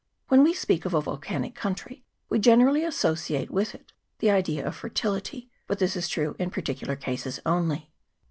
When we speak of a volcanic country we generally associate with it the idea of fertility ; but this is true in particular cases only.